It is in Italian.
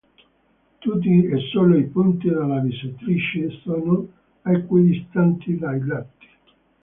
Tutti e solo i punti della bisettrice sono equidistanti dai lati.